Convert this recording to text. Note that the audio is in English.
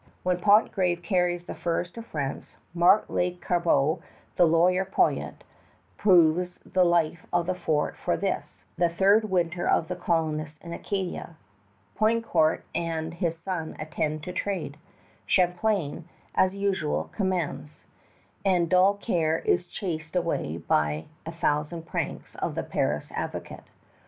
CROIX ISLAND, 1613 (From Champlain's diagram)] When Pontgravé carries the furs to France, Marc Lescarbot, the lawyer poet, proves the life of the fort for this, the third winter of the colonists in Acadia. Poutrincourt and his son attend to trade. Champlain, as usual, commands; and dull care is chased away by a thousand pranks of the Paris advocate.